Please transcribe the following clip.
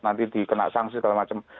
nanti dikena sanksi segala macam